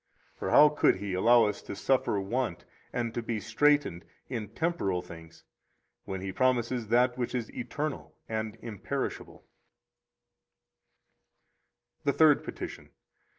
For how could He allow us to suffer want and to be straitened in temporal things when He promises that which is eternal and imperishable? The Third Petition.